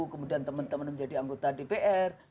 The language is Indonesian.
kemudian teman teman menjadi anggota dpr